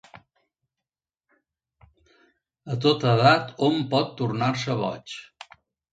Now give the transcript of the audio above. A tota edat hom pot tornar-se boig.